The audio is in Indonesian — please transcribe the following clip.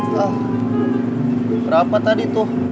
berapa tadi tuh